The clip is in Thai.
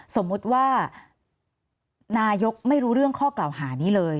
สมมุติว่านายกไม่รู้เรื่องข้อกล่าวหานี้เลย